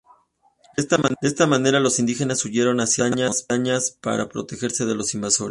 De esta manera los indígenas huyeron hacia las montañas para protegerse de los invasores.